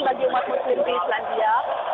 bagi umat muslim di islandia